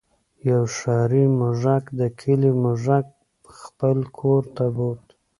یو ښاري موږک د کلي موږک خپل کور ته بوت.